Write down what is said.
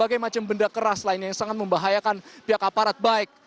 berbagai macam benda keras lainnya yang sangat membahayakan pihak aparat baik